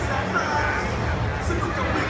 วันนี้ก็เป็นปีนี้